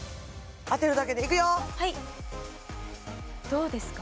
当てるだけでいくよーどうですか？